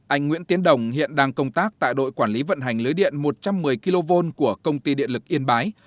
anh nguyễn tiến đồng hiện đang công tác tại đội quản lý vận hành lưới điện một trăm một mươi kv của công ty điện lực yên bái